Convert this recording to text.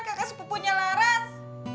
kakak sepupunya laras